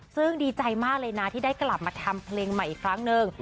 ซึ่งดีใจมากเลยนะที่ได้กลับมาทำเพลงใหม่อีกครั้งหนึ่ง